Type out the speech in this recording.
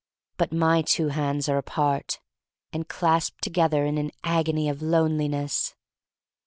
But my two hands are apart, and clasped together in an agony of loneli ness.